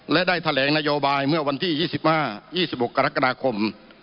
และได้แข็งแหลงนโยบายวันที่๒๕๒๖กรกฎาคม